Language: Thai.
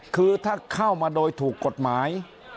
คือถ้าเข้ามาโดยถูกกฎหมาย